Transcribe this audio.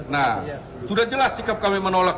nah sudah jelas sikap kami menolak